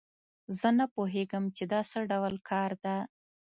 زه نه پوهیږم چې دا څه ډول کار ده